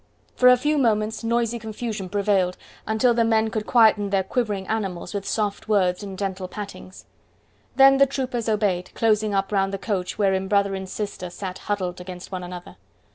For a few minutes noisy confusion prevailed, until the men could quieten their quivering animals with soft words and gentle pattings. Then the troopers obeyed, closing up round the coach wherein brother and sister sat huddled against one another.